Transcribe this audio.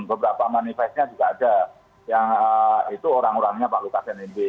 beberapa manifestnya juga ada yang itu orang orangnya pak lukas nmb